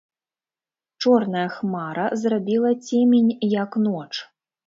Чорная хмара зрабіла цемень, як ноч.